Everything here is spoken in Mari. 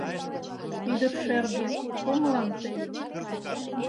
Ӱдыр шерге, пу мылам тый